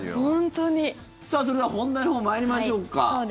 それでは本題のほう参りましょうか。